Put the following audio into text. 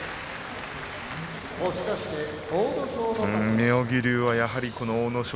妙義龍はやはり阿武咲